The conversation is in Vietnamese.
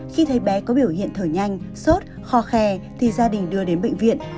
khi thấy bé có biểu hiện thở nhanh sốt kho khe thì gia đình đưa đến bệnh viện